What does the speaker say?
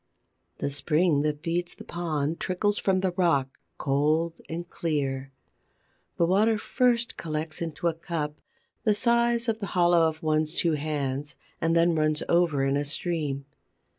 The spring that feeds the pond trickles from the rock, cold and clear. The water first collects into a cup, the size of the hollow of one's two hands, and then runs over in a stream.